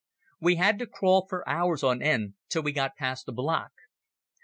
We had to crawl for hours on end, till we got past a block.